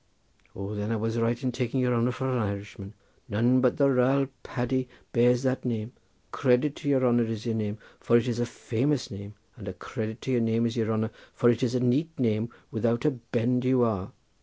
"Oh, then I was right in taking your honour for an Irishman. None but a raal Paddy bears that name. A credit to your honour is your name, for it is a famous name, and a credit to your name is your honour, for it is a neat man without a bend you are.